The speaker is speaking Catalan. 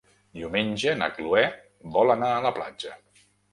Diumenge na Cloè vol anar a la platja.